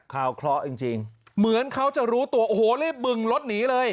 ข่าวเคราะห์จริงเหมือนเขาจะรู้ตัวโอ้โหรีบบึงรถหนีเลย